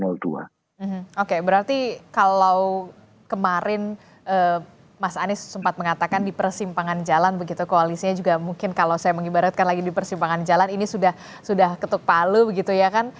oke berarti kalau kemarin mas anies sempat mengatakan di persimpangan jalan begitu koalisinya juga mungkin kalau saya mengibaratkan lagi di persimpangan jalan ini sudah ketuk palu begitu ya kan